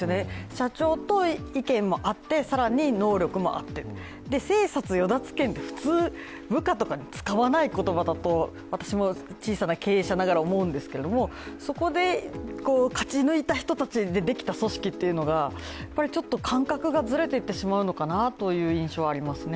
社長と意見も合って、更に能力もあって、生殺与奪権って普通部下とかに使わない言葉だと私も小さな経営者ながら思うんですけどそこで勝ち抜いた人たちでできた組織というのが、ちょっと感覚がずれていってしまうのかなという印象がありますね。